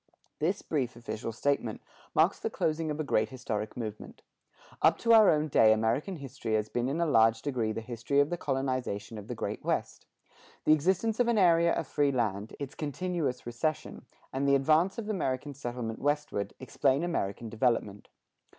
This brief official statement marks the closing of a great historic movement. Up to our own day American history has been in a large degree the history of the colonization of the Great West. The existence of an area of free land, its continuous recession, and the advance of American settlement westward, explain American development.